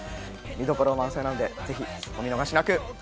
見どころ満載なんで、ぜひお見逃しなく。